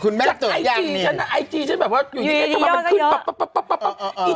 แจ็คไอจีฉันนะไอจีฉันแบบว่าอยู่ดีโย่ตกเยอะ